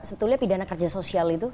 sebetulnya pidana kerja sosial itu